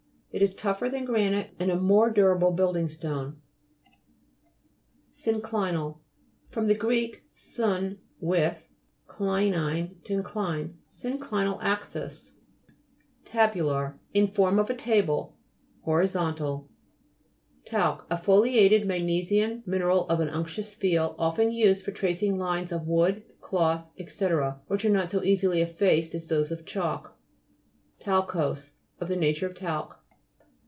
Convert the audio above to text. It is tougher than granite and a more durable building stone. SYNCLINAL fr. gr. sun, with, klinein, to incline. Synclinal axis (p. 160). 20* STSTEM OF UPHEAVAL (p. 189 and 191). TABULAR In form of a table; hori zontal. TALC A foliated magnesian mineral of an unctuous feel, often used for tracing lines on wood, cloth, &c. which are not so easily effaced as those of chalk. TAL'COSE Of the nature of talc.